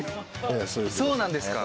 そうなんですか？